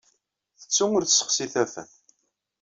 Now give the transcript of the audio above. Tettu ur tessexsi tafat.